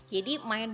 jadi main banget